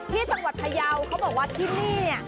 ที่จังหวัดพยาวเขาบอกว่าที่นี่เนี่ย